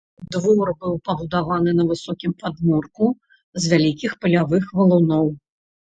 Двор быў пабудаваны на высокім падмурку з вялікіх палявых валуноў.